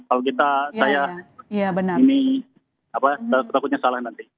kalau kita saya ini takutnya salah nanti